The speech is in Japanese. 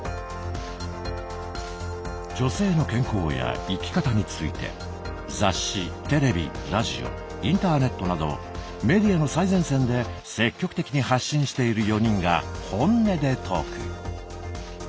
女性の健康や生き方について雑誌テレビラジオインターネットなどメディアの最前線で積極的に発信している４人が本音でトーク。